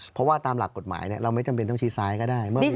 เพราะว่าตามหลักกฎหมายเราไม่จำเป็นต้องชี้ซ้ายก็ได้